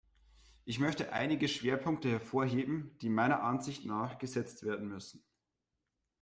Ich möchte einige Schwerpunkte hervorheben, die meiner Ansicht nach gesetzt werden müssen.